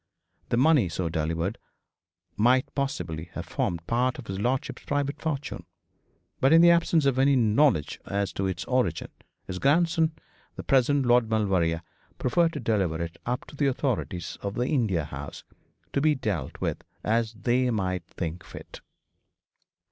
The money so delivered up might possibly have formed part of his lordship's private fortune; but, in the absence of any knowledge as to its origin, his grandson, the present Lord Maulevrier, preferred to deliver it up to the authorities of the India House, to be dealt with as they might think fit.